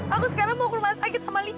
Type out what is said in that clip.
aku sekarang mau ke rumah sakit sama li